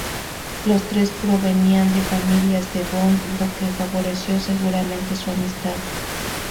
Los tres provenían de familias de Devon, lo que favoreció seguramente su amistad.